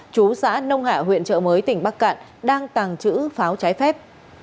chú xã nông hả huyện chợ mới tỉnh bắc cạn đang tàng trữ pháo trái phép